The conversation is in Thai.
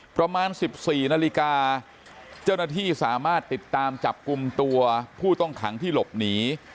ประมาณ๑๔นาฬิกาเจ้าหน้าที่สามารถติดตามจับกลุ่มตัวผู้ต้องขังที่หลบหนี